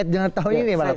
jelang tahun ini malam ini